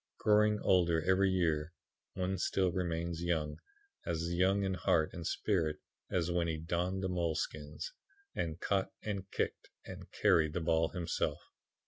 Growing older every year, one still remains young as young in heart and spirit as when he donned the moleskins, and caught and kicked and carried the ball himself.